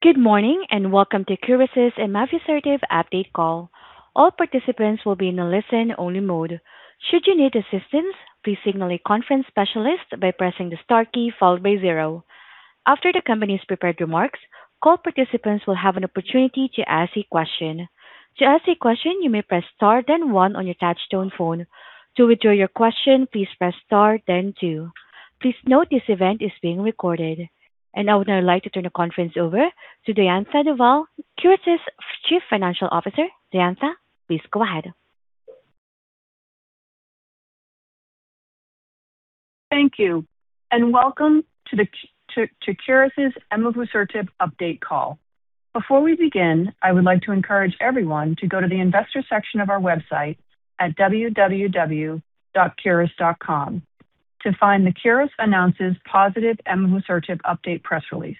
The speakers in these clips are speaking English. Good morning, welcome to Curis' emavusertib update call. All participants will be in a listen-only mode. Should you need assistance, please signal a conference specialist by pressing the star key followed by zero. After the company's prepared remarks, call participants will have an opportunity to ask a question. To ask a question, you may press star then one on your touchtone phone. To withdraw your question, please press star then two. Please note this event is being recorded. I would now like to turn the conference over to Diantha Duvall, Curis' Chief Financial Officer. Diantha, please go ahead. Thank you. Welcome to Curis' emavusertib update call. Before we begin, I would like to encourage everyone to go to the investor section of our website at www.curis.com to find the Curis Announces Positive Emavusertib Update press release.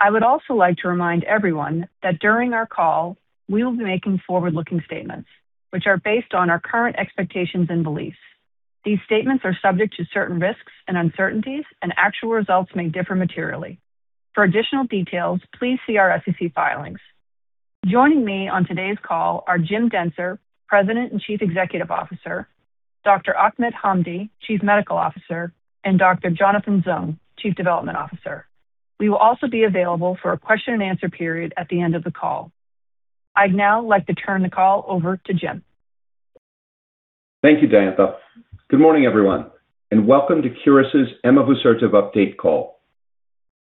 I would also like to remind everyone that during our call, we will be making forward-looking statements, which are based on our current expectations and beliefs. These statements are subject to certain risks and uncertainties, actual results may differ materially. For additional details, please see our SEC filings. Joining me on today's call are James Dentzer, President and Chief Executive Officer, Dr. Ahmed Hamdy, Chief Medical Officer, and Dr. Jonathan Zung, Chief Development Officer. We will also be available for a question and answer period at the end of the call. I'd now like to turn the call over to Jim. Thank you, Diantha. Good morning, everyone, welcome to Curis' emavusertib update call.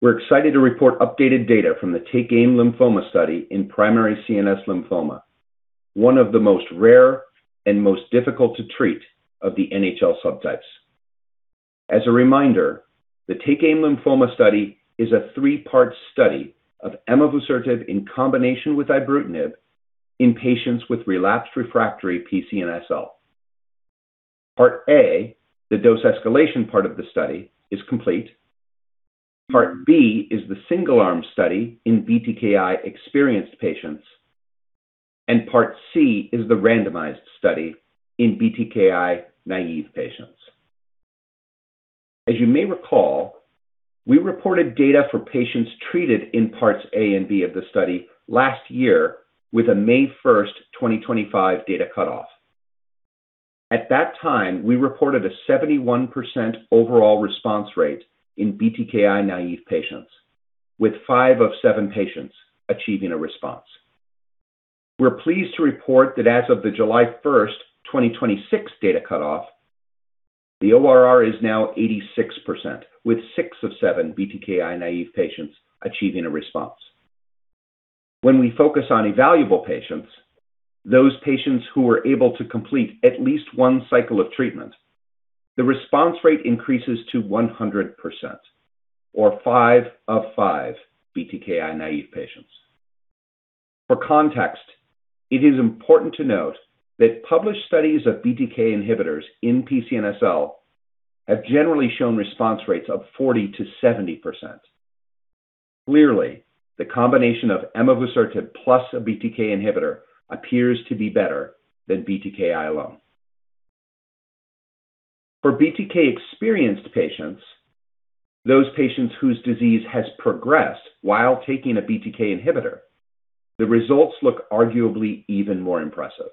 We're excited to report updated data from the TakeAim Lymphoma study in Primary CNS Lymphoma, one of the most rare and most difficult to treat of the NHL subtypes. As a reminder, the TakeAim Lymphoma study is a three-part study of emavusertib in combination with ibrutinib in patients with relapsed refractory PCNSL. Part A, the dose escalation part of the study, is complete. Part B is the single-arm study in BTKI-experienced patients, Part C is the randomized study in BTKI-naive patients. As you may recall, we reported data for patients treated in Parts A and B of the study last year with a May 1, 2025 data cutoff. At that time, we reported a 71% overall response rate in BTKI-naive patients, with five of seven patients achieving a response. We're pleased to report that as of the July 1, 2026 data cutoff, the ORR is now 86%, with six of seven BTKI-naive patients achieving a response. When we focus on evaluable patients, those patients who were able to complete at least one cycle of treatment, the response rate increases to 100% or five of five BTKI-naive patients. For context, it is important to note that published studies of BTK inhibitors in PCNSL have generally shown response rates of 40%-70%. Clearly, the combination of emavusertib plus a BTK inhibitor appears to be better than BTKI alone. For BTK-experienced patients, those patients whose disease has progressed while taking a BTK inhibitor, the results look arguably even more impressive.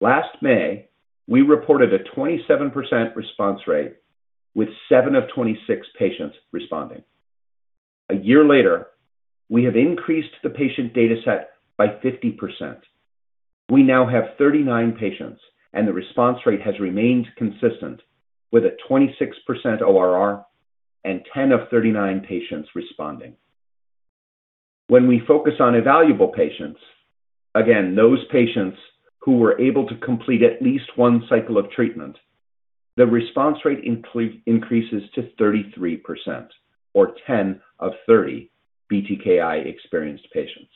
Last May, we reported a 27% response rate, with seven of 26 patients responding. A year later, we have increased the patient dataset by 50%. We now have 39 patients, and the response rate has remained consistent with a 26% ORR and 10 of 39 patients responding. When we focus on evaluable patients, again, those patients who were able to complete at least one cycle of treatment, the response rate increases to 33% or 10 of 30 BTKI-experienced patients.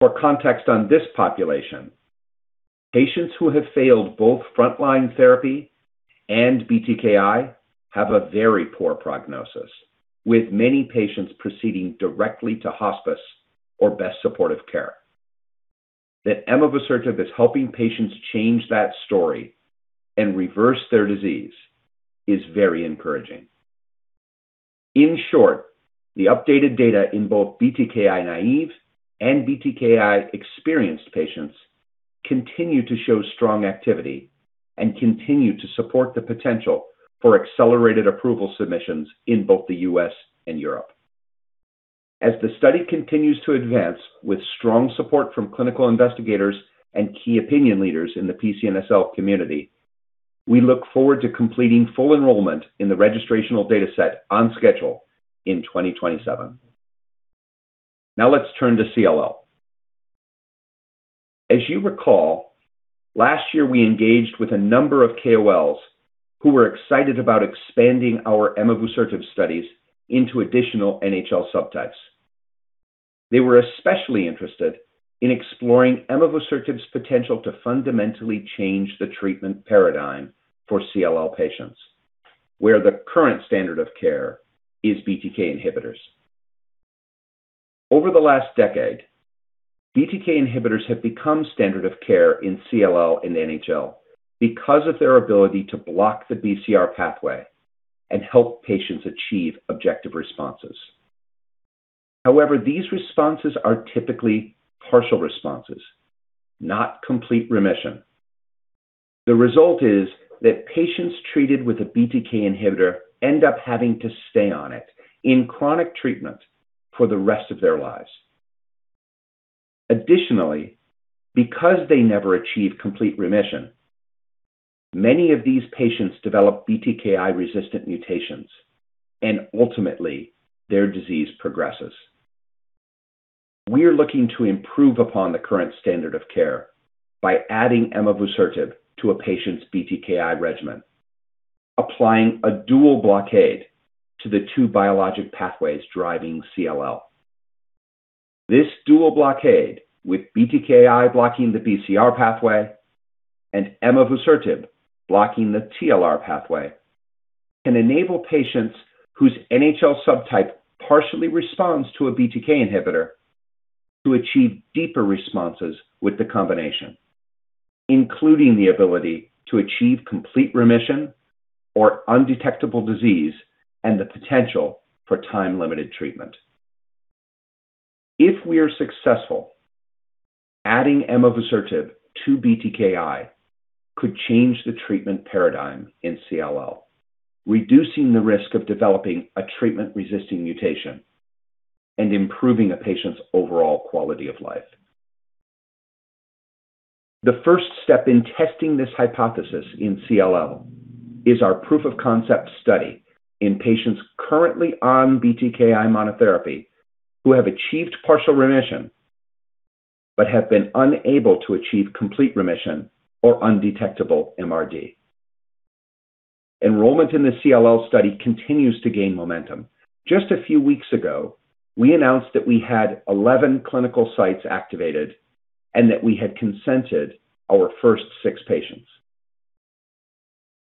For context on this population, patients who have failed both frontline therapy and BTKI have a very poor prognosis, with many patients proceeding directly to hospice or best supportive care. That emavusertib is helping patients change that story and reverse their disease is very encouraging. In short, the updated data in both BTKI-naive and BTKI-experienced patients continue to show strong activity and continue to support the potential for accelerated approval submissions in both the U.S. and Europe. As the study continues to advance with strong support from clinical investigators and KOLs in the PCNSL community, we look forward to completing full enrollment in the registrational dataset on schedule in 2027. Now let's turn to CLL. As you recall, last year, we engaged with a number of KOLs who were excited about expanding our emavusertib studies into additional NHL subtypes. They were especially interested in exploring emavusertib's potential to fundamentally change the treatment paradigm for CLL patients, where the current standard of care is BTK inhibitors. Over the last decade, BTK inhibitors have become standard of care in CLL and NHL because of their ability to block the BCR pathway and help patients achieve objective responses. However, these responses are typically partial responses, not complete remission. The result is that patients treated with a BTK inhibitor end up having to stay on it in chronic treatment for the rest of their lives. Additionally, because they never achieve complete remission, many of these patients develop BTKI-resistant mutations, and ultimately, their disease progresses. We are looking to improve upon the current standard of care by adding emavusertib to a patient's BTKI regimen, applying a dual blockade to the two biologic pathways driving CLL. This dual blockade, with BTKI blocking the BCR pathway and emavusertib blocking the TLR pathway, can enable patients whose NHL subtype partially responds to a BTK inhibitor to achieve deeper responses with the combination, including the ability to achieve complete remission or undetectable disease and the potential for time-limited treatment. If we are successful, adding emavusertib to BTKI could change the treatment paradigm in CLL, reducing the risk of developing a treatment-resistant mutation and improving a patient's overall quality of life. The first step in testing this hypothesis in CLL is our proof of concept study in patients currently on BTKI monotherapy who have achieved partial remission but have been unable to achieve complete remission or undetectable MRD. Enrollment in the CLL study continues to gain momentum. Just a few weeks ago, we announced that we had 11 clinical sites activated and that we had consented our first six patients.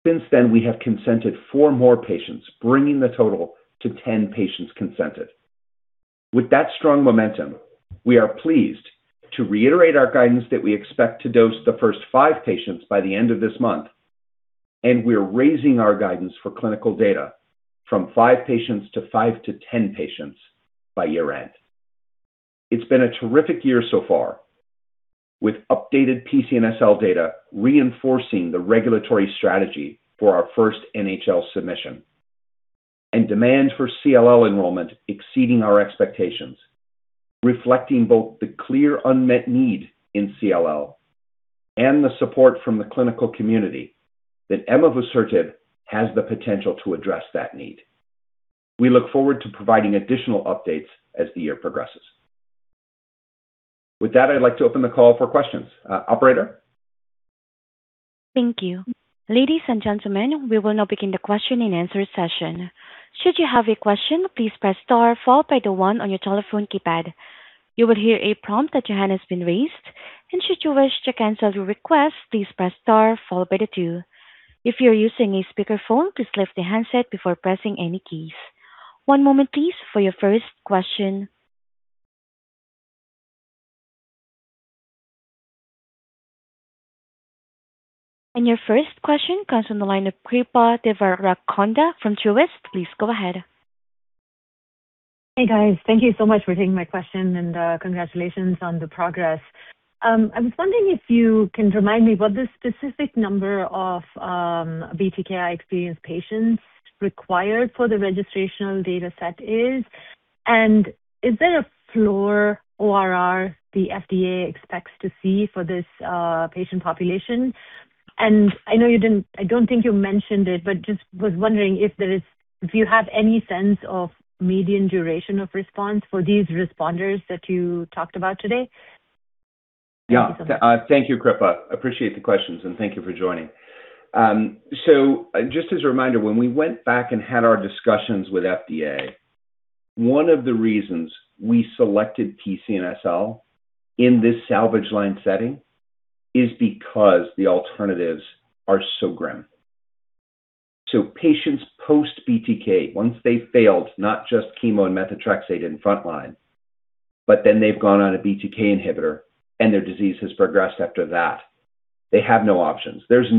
Since then, we have consented four more patients, bringing the total to 10 patients consented. With that strong momentum, we are pleased to reiterate our guidance that we expect to dose the first five patients by the end of this month. We're raising our guidance for clinical data from five patients to five to 10 patients by year-end. It's been a terrific year so far, with updated PCNSL data reinforcing the regulatory strategy for our first NHL submission. Demand for CLL enrollment exceeding our expectations, reflecting both the clear unmet need in CLL and the support from the clinical community that emavusertib has the potential to address that need. We look forward to providing additional updates as the year progresses. With that, I'd like to open the call for questions. Operator? Thank you. Ladies and gentlemen, we will now begin the question and answer session. Should you have a question, please press star followed by the one on your telephone keypad. You will hear a prompt that your hand has been raised. Should you wish to cancel your request, please press star followed by the two. If you're using a speakerphone, please lift the handset before pressing any keys. One moment please for your first question. Your first question comes from the line of Srikripa Devarakonda from Truist. Please go ahead. Hey, guys. Thank you so much for taking my question. Congratulations on the progress. I was wondering if you can remind me what the specific number of BTKI-experienced patients required for the registrational data set is. Is there a floor ORR the FDA expects to see for this patient population? I know I don't think you mentioned it, but just was wondering if you have any sense of median duration of response for these responders that you talked about today. Yeah. Thank you, Kripa. Appreciate the questions, and thank you for joining. Just as a reminder, when we went back and had our discussions with FDA, one of the reasons we selected PCNSL in this salvage line setting is because the alternatives are so grim. Patients post-BTK, once they've failed, not just chemo and methotrexate in frontline, but then they've gone on a BTK inhibitor and their disease has progressed after that, they have no options. There's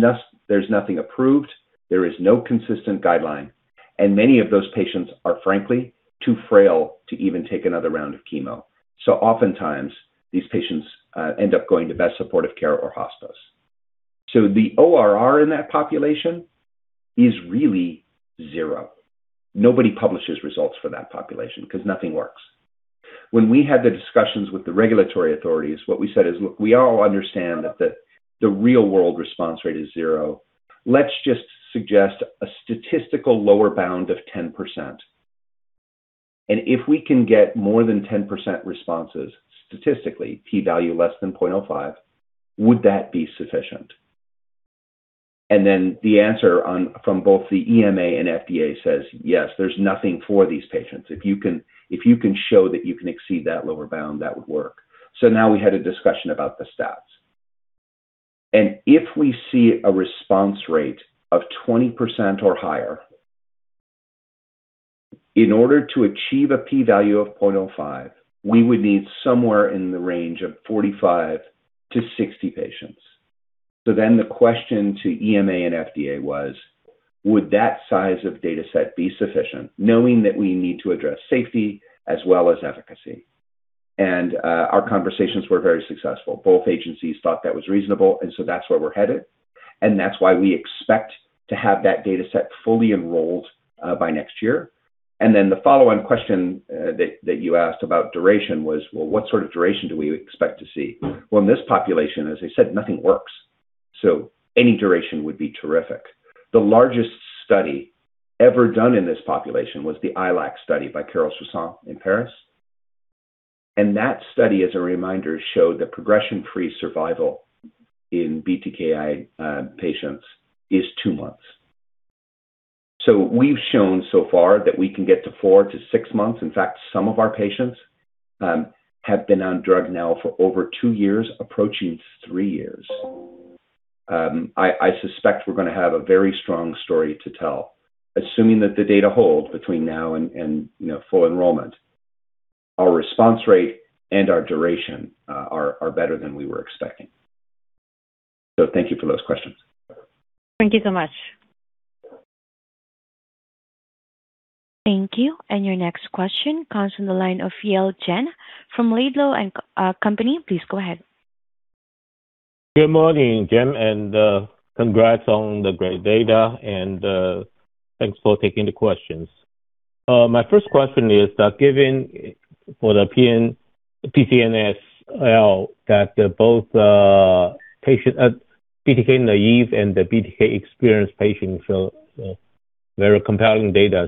nothing approved. There is no consistent guideline. Many of those patients are, frankly, too frail to even take another round of chemo. Oftentimes, these patients end up going to best supportive care or hospice. The ORR in that population is really zero. Nobody publishes results for that population because nothing works. When we had the discussions with the regulatory authorities, what we said is, "Look, we all understand that the real-world response rate is zero. Let's just suggest a statistical lower bound of 10%. If we can get more than 10% responses, statistically, P value less than 0.05, would that be sufficient?" The answer from both the EMA and FDA says, "Yes. There's nothing for these patients. If you can show that you can exceed that lower bound, that would work." Now we had a discussion about the stats. If we see a response rate of 20% or higher, in order to achieve a P value of 0.05, we would need somewhere in the range of 45-60 patients. The question to EMA and FDA was, would that size of data set be sufficient, knowing that we need to address safety as well as efficacy? Our conversations were very successful. Both agencies thought that was reasonable, and so that's where we're headed, and that's why we expect to have that data set fully enrolled by next year. The follow-on question that you asked about duration was, well, what sort of duration do we expect to see? Well, in this population, as I said, nothing works, so any duration would be terrific. The largest study ever done in this population was the iLOC study by Carole Soussain in Paris. That study, as a reminder, showed that progression-free survival in BTKI patients is two months. We've shown so far that we can get to four to six months. In fact, some of our patients have been on drug now for over two years, approaching three years. I suspect we're going to have a very strong story to tell, assuming that the data hold between now and full enrollment. Our response rate and our duration are better than we were expecting. Thank you for those questions. Thank you so much. Thank you. Your next question comes from the line of Yale Jen from Laidlaw & Company. Please go ahead. Good morning, James, and congrats on the great data, and thanks for taking the questions. My first question is that given for the PCNSL, that both BTK naive and the BTK-experienced patients show very compelling data,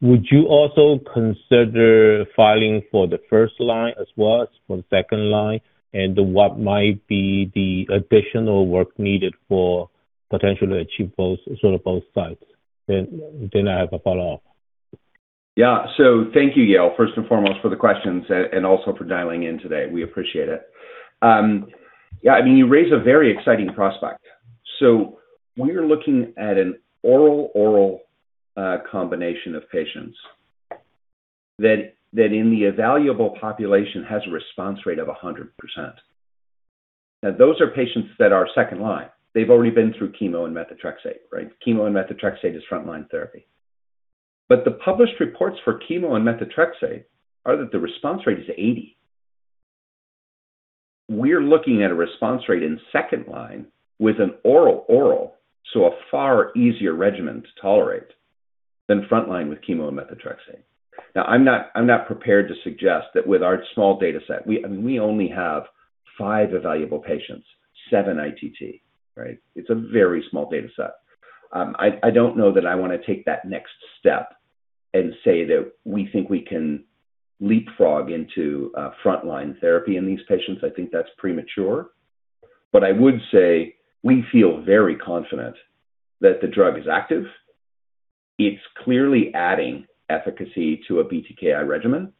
would you also consider filing for the first line as well as for the second line? What might be the additional work needed for potentially achieve both sides? I have a follow-up. Thank you, Yale, first and foremost for the questions and also for dialing in today. We appreciate it. You raise a very exciting prospect. When you're looking at an oral-oral combination of patients that in the evaluable population has a response rate of 100%. Those are patients that are second line. They've already been through chemo and methotrexate, right? Chemo and methotrexate is frontline therapy. The published reports for chemo and methotrexate are that the response rate is 80. We're looking at a response rate in second line with an oral-oral, so a far easier regimen to tolerate than frontline with chemo and methotrexate. I'm not prepared to suggest that with our small data set, we only have five evaluable patients, seven ITT, right? It's a very small data set. I don't know that I want to take that next step and say that we think we can leapfrog into frontline therapy in these patients. I think that's premature. I would say we feel very confident that the drug is active, it's clearly adding efficacy to a BTKI regimen,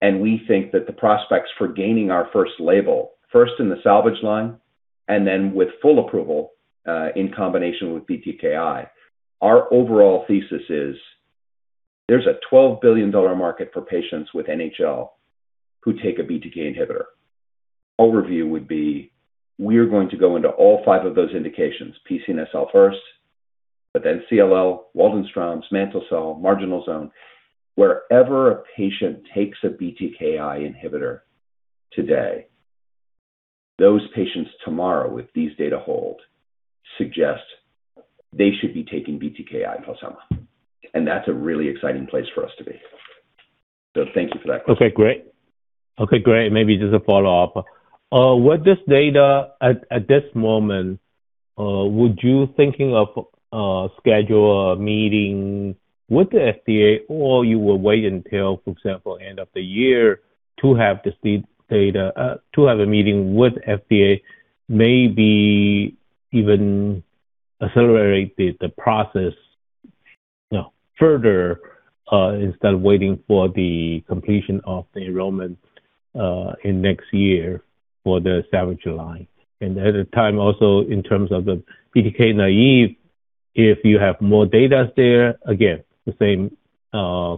and we think that the prospects for gaining our first label, first in the salvage line, and then with full approval, in combination with BTKI. Our overall thesis is there's a $12 billion market for patients with NHL who take a BTK inhibitor. Overview would be, we're going to go into all five of those indications, PCNSL first, but then CLL, Waldenstrom's, mantle cell, marginal zone. Wherever a patient takes a BTKI inhibitor today, those patients tomorrow, if these data hold, suggest they should be taking BTKI plus EMA. That's a really exciting place for us to be. Thank you for that question. Okay, great. Maybe just a follow-up. With this data at this moment, would you thinking of schedule a meeting with the FDA or you will wait until, for example, end of the year to have a meeting with FDA, maybe even accelerate the process further, instead of waiting for the completion of the enrollment in next year for the salvage line? At the time also in terms of the BTK naive, if you have more data there, again, the same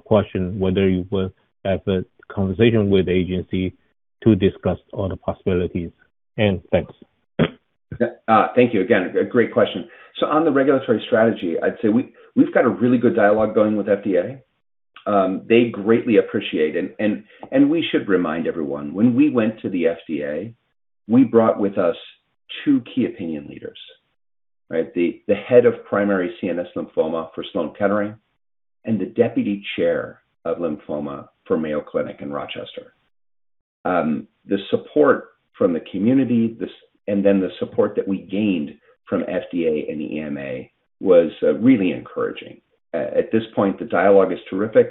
question, whether you will have a conversation with the agency to discuss all the possibilities. Thanks. Thank you again. A great question. On the regulatory strategy, I'd say we've got a really good dialogue going with FDA. They greatly appreciate it. We should remind everyone, when we went to the FDA, we brought with us two key opinion leaders, right? The head of primary CNS lymphoma for Sloan Kettering and the deputy chair of lymphoma for Mayo Clinic in Rochester. The support from the community and then the support that we gained from FDA and EMA was really encouraging. At this point, the dialogue is terrific.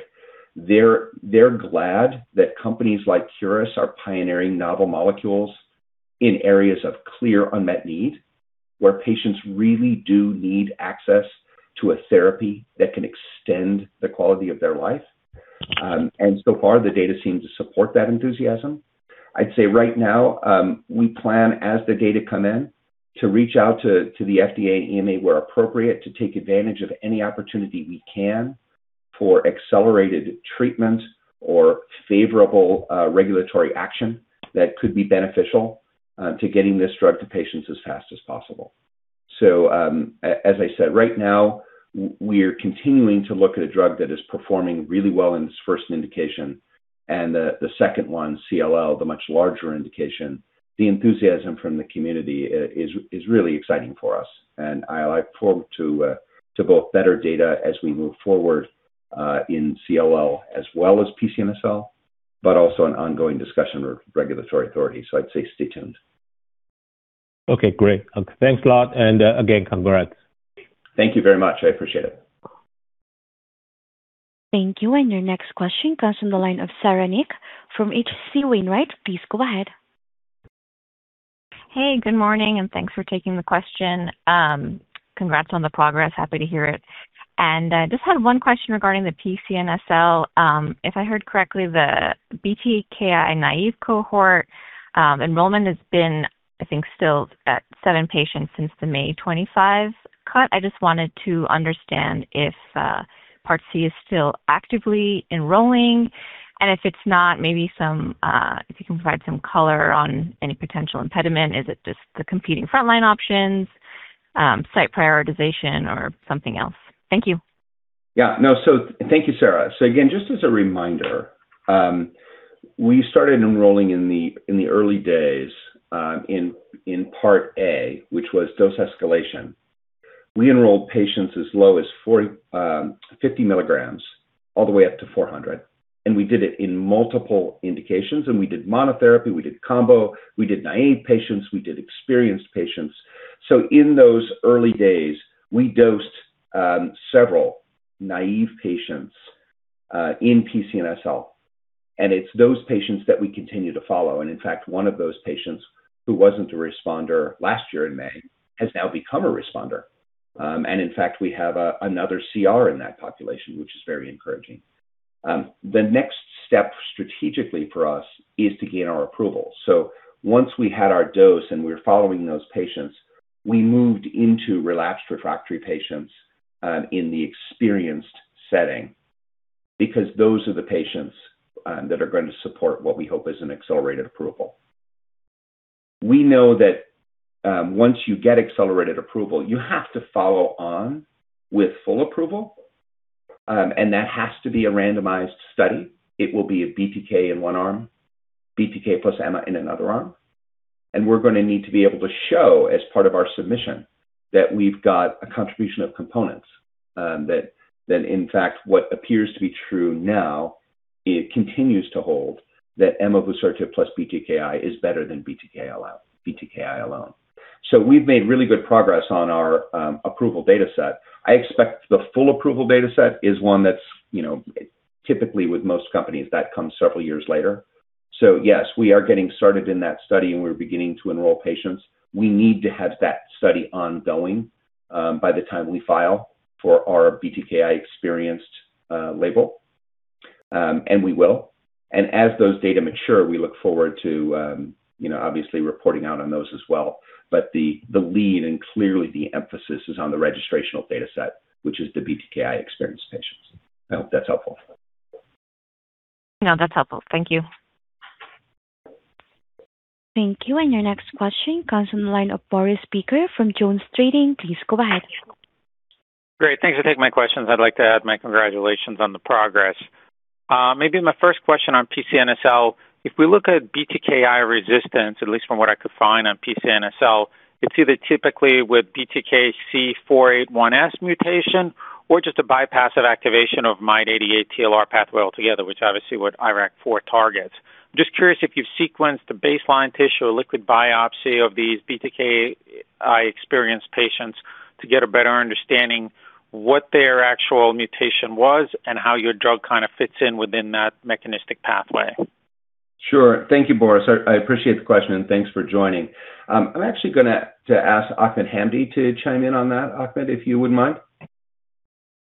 They're glad that companies like Curis are pioneering novel molecules in areas of clear unmet need, where patients really do need access to a therapy that can extend the quality of their life. So far, the data seem to support that enthusiasm. I'd say right now, we plan as the data come in to reach out to the FDA, EMA where appropriate, to take advantage of any opportunity we can for accelerated treatment or favorable regulatory action that could be beneficial to getting this drug to patients as fast as possible. As I said, right now we are continuing to look at a drug that is performing really well in its first indication and the second one, CLL, the much larger indication, the enthusiasm from the community is really exciting for us and I look forward to both better data as we move forward, in CLL as well as PCNSL, but also an ongoing discussion with regulatory authorities. I'd say stay tuned. Okay, great. Thanks a lot. Again, congrats. Thank you very much. I appreciate it. Thank you. Your next question comes from the line of Sara Nik from H.C. Wainwright. Please go ahead. Good morning, thanks for taking the question. Congrats on the progress. Happy to hear it. Just had one question regarding the PCNSL. If I heard correctly, the BTKI naive cohort, enrollment has been, I think, still at seven patients since the May 25 cut. I just wanted to understand if Part C is still actively enrolling, and if it's not, maybe if you can provide some color on any potential impediment. Is it just the competing frontline options, site prioritization, or something else? Thank you. Thank you, Sara. Again, just as a reminder, we started enrolling in the early days, in Part A, which was dose escalation. We enrolled patients as low as 50 mg all the way up to 400 mg, and we did it in multiple indications, and we did monotherapy, we did combo, we did naive patients, we did experienced patients. In those early days, we dosed several naive patients in PCNSL, and it's those patients that we continue to follow. In fact, one of those patients who wasn't a responder last year in May, has now become a responder. In fact, we have another CR in that population, which is very encouraging. The next step strategically for us is to gain our approval. Once we had our dose and we were following those patients, we moved into relapsed refractory patients in the experienced setting because those are the patients that are going to support what we hope is an accelerated approval. We know that, once you get accelerated approval, you have to follow on with full approval, and that has to be a randomized study. It will be a BTK in one arm, BTK plus ema in another arm, and we're going to need to be able to show as part of our submission that we've got a contribution of components, that in fact, what appears to be true now, it continues to hold that emavusertib plus BTKI is better than BTKI alone. We've made really good progress on our approval data set. I expect the full approval data set is one that's, typically with most companies, that comes several years later. Yes, we are getting started in that study, and we're beginning to enroll patients. We need to have that study ongoing by the time we file for our BTKI-experienced label. We will. As those data mature, we look forward to obviously reporting out on those as well. The lead and clearly the emphasis is on the registrational data set, which is the BTKI-experienced patients. I hope that's helpful. No, that's helpful. Thank you. Thank you. Your next question comes from the line of Boris Peaker from JonesTrading. Please go ahead. Great. Thanks for taking my questions. I'd like to add my congratulations on the progress. Maybe my first question on PCNSL, if we look at BTKI resistance, at least from what I could find on PCNSL, it's either typically with BTK C481S mutation or just a bypass of activation of MyD88 TLR pathway altogether, which obviously what IRAK4 targets. I'm just curious if you've sequenced the baseline tissue or liquid biopsy of these BTKI-experienced patients to get a better understanding what their actual mutation was and how your drug kind of fits in within that mechanistic pathway. Sure. Thank you, Boris. I appreciate the question, and thanks for joining. I'm actually going to ask Ahmed Hamdy to chime in on that. Ahmed, if you wouldn't mind.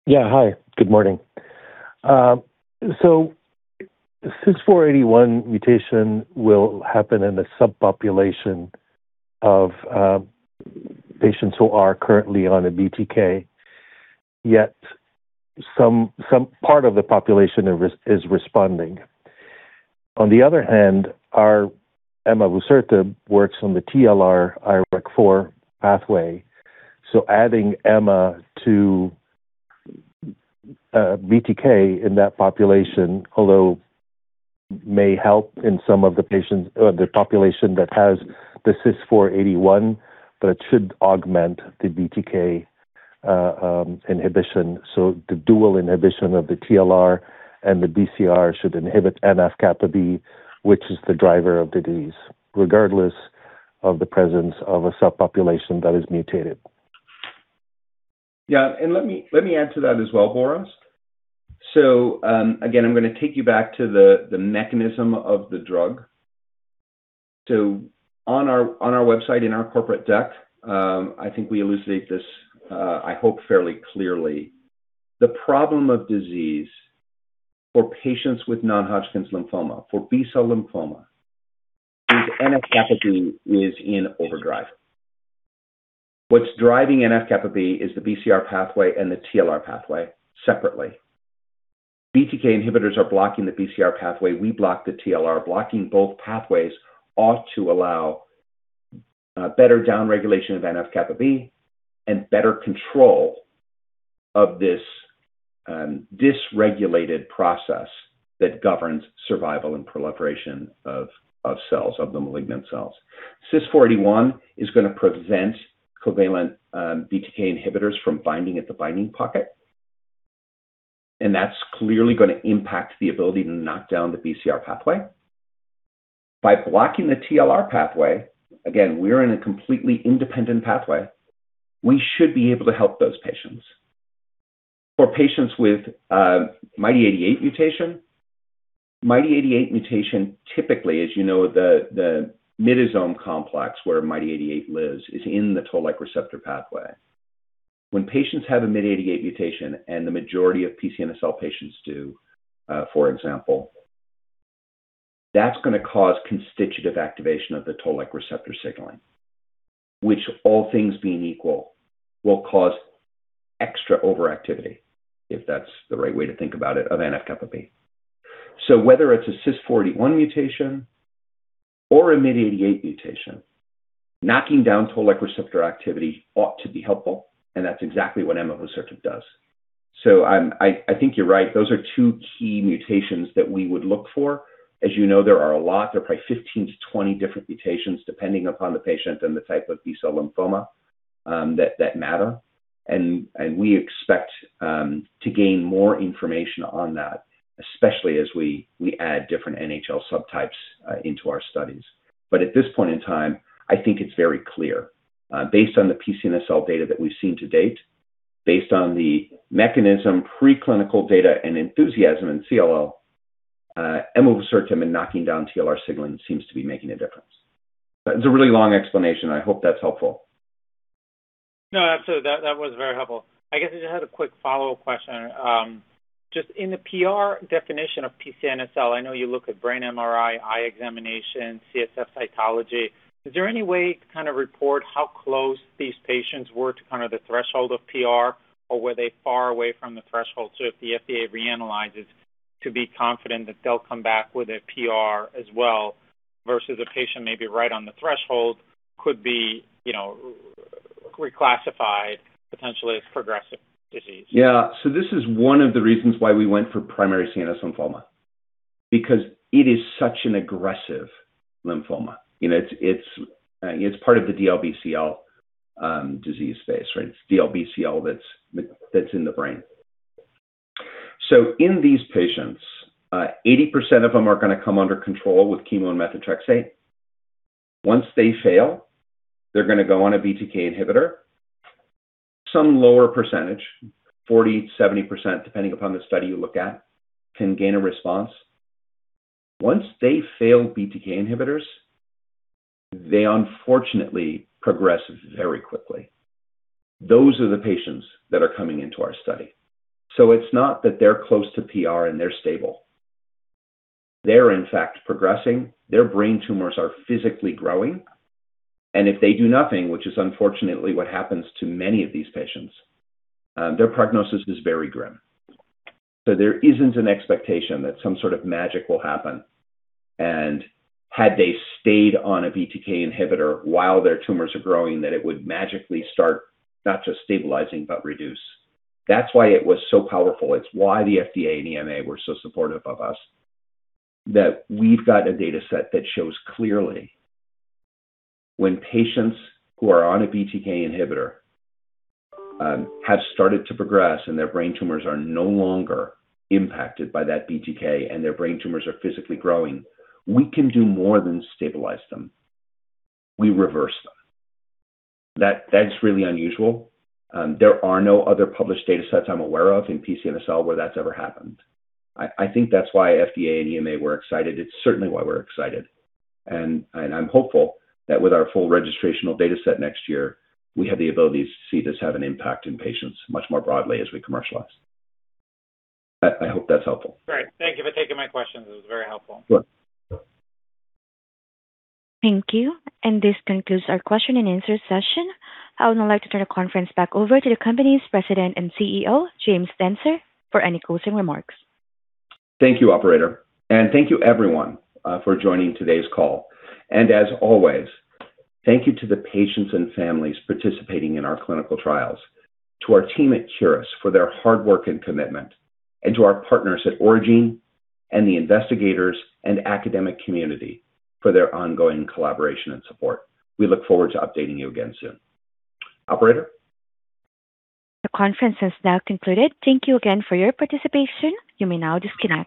Hi, good morning. Cys481 mutation will happen in a subpopulation of patients who are currently on a BTK, yet some part of the population is responding. On the other hand, our emavusertib works on the TLR IRAK4 pathway. Adding ema to BTK in that population, although may help in some of the patients or the population that has the Cys481, but it should augment the BTK inhibition. The dual inhibition of the TLR and the BCR should inhibit NF-κB, which is the driver of the disease, regardless of the presence of a subpopulation that is mutated. Yeah. Let me answer that as well, Boris. Again, I'm going to take you back to the mechanism of the drug. On our website, in our corporate deck, I think we elucidate this, I hope fairly clearly. The problem of disease for patients with non-Hodgkin lymphoma, for B-cell lymphoma, is NF-κB is in overdrive. What's driving NF-κB is the BCR pathway and the TLR pathway separately. BTK inhibitors are blocking the BCR pathway. We block the TLR. Blocking both pathways ought to allow better downregulation of NF-κB and better control of this dysregulated process that governs survival and proliferation of the malignant cells. Cys481 is going to prevent covalent BTK inhibitors from binding at the binding pocket, and that's clearly going to impact the ability to knock down the BCR pathway. By blocking the TLR pathway, again, we're in a completely independent pathway, we should be able to help those patients. For patients with MYD88 mutation, typically, as you know, the Myddosome complex, where MYD88 lives, is in the toll-like receptor pathway. When patients have a MYD88 mutation, and the majority of PCNSL patients do, for example, that's going to cause constitutive activation of the toll-like receptor signaling, which all things being equal, will cause extra overactivity, if that's the right way to think about it, of NF-κB. Whether it's a Cys481 mutation or a MYD88 mutation, knocking down toll-like receptor activity ought to be helpful, and that's exactly what emavusertib does. I think you're right. Those are two key mutations that we would look for. As you know, there are a lot, there are probably 15-20 different mutations, depending upon the patient and the type of B-cell lymphoma, that matter. We expect to gain more information on that, especially as we add different NHL subtypes into our studies. At this point in time, I think it's very clear. Based on the PCNSL data that we've seen to date, based on the mechanism, preclinical data, and enthusiasm in CLL, emavusertib and knocking down TLR signaling seems to be making a difference. That's a really long explanation. I hope that's helpful. No, absolutely. That was very helpful. I guess I just had a quick follow-up question. Just in the PR definition of PCNSL, I know you look at brain MRI, eye examination, CSF cytology. Is there any way to kind of report how close these patients were to the threshold of PR, or were they far away from the threshold if the FDA reanalyzes to be confident that they'll come back with a PR as well, versus a patient may be right on the threshold could be reclassified potentially as progressive disease? Yeah. This is one of the reasons why we went for primary CNS lymphoma, because it is such an aggressive lymphoma. It's part of the DLBCL disease space. It's DLBCL that's in the brain. In these patients, 80% of them are going to come under control with chemo and methotrexate. Once they fail, they're going to go on a BTK inhibitor. Some lower percentage, 40%, 70%, depending upon the study you look at, can gain a response. Once they fail BTK inhibitors, they unfortunately progress very quickly. Those are the patients that are coming into our study. It's not that they're close to PR and they're stable. They're in fact progressing. Their brain tumors are physically growing, and if they do nothing, which is unfortunately what happens to many of these patients, their prognosis is very grim. There isn't an expectation that some sort of magic will happen, and had they stayed on a BTK inhibitor while their tumors are growing, that it would magically start not just stabilizing, but reduce. That's why it was so powerful. It's why the FDA and EMA were so supportive of us, that we've got a data set that shows clearly when patients who are on a BTK inhibitor have started to progress and their brain tumors are no longer impacted by that BTK and their brain tumors are physically growing, we can do more than stabilize them. We reverse them. That is really unusual. There are no other published data sets I'm aware of in PCNSL where that's ever happened. I think that's why FDA and EMA were excited. It's certainly why we're excited, and I'm hopeful that with our full registrational data set next year, we have the ability to see this have an impact in patients much more broadly as we commercialize. I hope that's helpful. Great. Thank you for taking my questions. It was very helpful. Sure. Thank you. This concludes our question and answer session. I would now like to turn the conference back over to the company's President and CEO, James Dentzer, for any closing remarks. Thank you, operator, and thank you everyone for joining today's call. As always, thank you to the patients and families participating in our clinical trials, to our team at Curis for their hard work and commitment, and to our partners at Aurigene and the investigators and academic community for their ongoing collaboration and support. We look forward to updating you again soon. Operator? The conference has now concluded. Thank you again for your participation. You may now disconnect.